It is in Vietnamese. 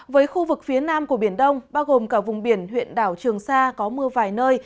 với khu vực phía nam của biển đông bao gồm cả vùng biển huyện đảo trường sa có mưa vài nơi